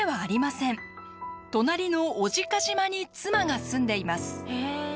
隣の小値賀島に妻が住んでいます。